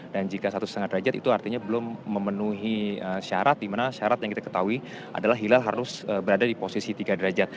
dan jika satu lima derajat itu artinya belum memenuhi syarat dimana syarat yang kita ketahui adalah hilal harus berada di posisi tiga derajat